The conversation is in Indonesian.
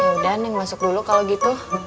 mending masuk dulu kalau gitu